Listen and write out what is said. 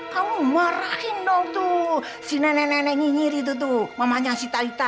kamu marahin dong tuh si nenek nenek nyinyir itu tuh mamanya si talita